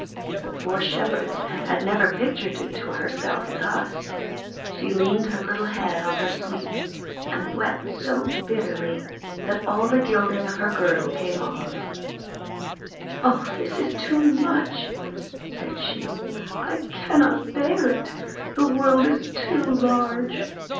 The poor Shepherdess had never pictured it to herself thus ; she leaned her little head on her Sweep, and wept so bitterly that all the gilding of her girdle came off. "Oh, this is too much!" said she; "I cannot bear it. The world is too large.